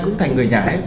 cũng thành người nhà ấy